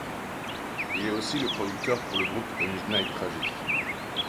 Il est aussi le producteur pour le groupe A Midnight Tragedy.